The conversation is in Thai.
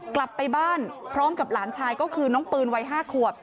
กลับไปบ้านพร้อมกับหลานชายก็คือน้องปืนวัย๕ขวบ